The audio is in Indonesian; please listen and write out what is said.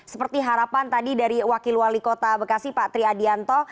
seperti harapan tadi dari wakil wali kota bekasi pak tri adianto